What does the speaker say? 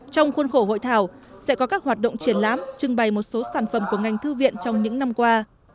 trong khuôn khổ hội thảo sẽ có các hoạt động triển lãm trưng bày một số sản phẩm của ngành thư viện trong những năm qua